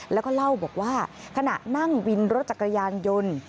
แล้วก็เล่าบอกว่าขณะนั่งวินรถจักรยานยนต์